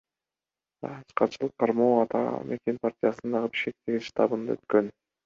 Ачкачылык кармоо Ата мекен партиясынын Бишкектеги штабында өткөн.